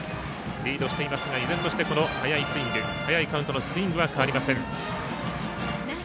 リードしていますが依然として早いスイング早いカウントのスイングは変わりません。